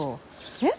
えっ？